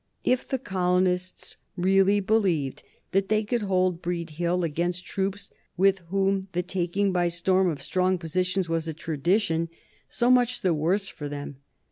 If the colonists really believed that they could hold Breed Hill against troops with whom the taking by storm of strong positions was a tradition, so much the worse for them.